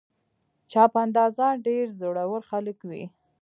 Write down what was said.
چاپندازان ډېر زړور خلک وي.